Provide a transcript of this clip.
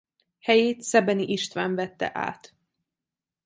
Helyét Szebeni István vette át.